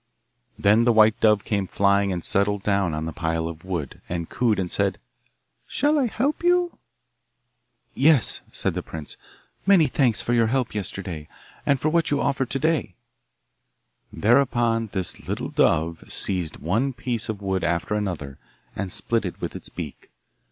Then the white dove came flying and settled down on the pile of wood, and cooed and said, 'Shall I help you?' 'Yes,' said the prince, 'many thanks for your help yesterday, and for what you offer to day.' Thereupon the little dove seized one piece of wood after another and split it with its beak.